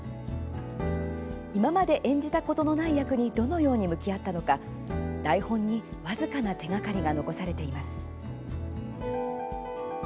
今まで演じたことのない役にどのように向き合ったのか台本に僅かな手がかりが残されています。